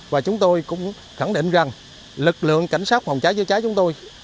và chúng tôi cũng khẳng định rằng lực lượng cảnh sát phòng trái chết cháy chúng tôi